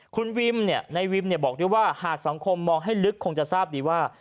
คุณวิมในวิมบอกด้วยว่าหากสังคมมองให้ลึกคงจะทราบดีว่า